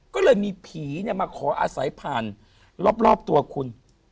ก็เลยมีผีมาขออาศัยผ่านรอบตัวคุณ